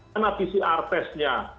mana pcr testnya